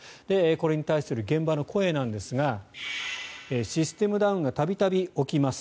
これに対する現場の声なんですがシステムダウンが度々起きます